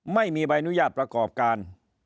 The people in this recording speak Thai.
ไม่มีใบอนุญาตประกอบการ